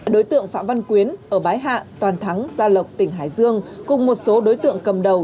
đối tượng phạm văn quyến ở bái hạ toàn thắng gia lộc tỉnh hải dương cùng một số đối tượng cầm đầu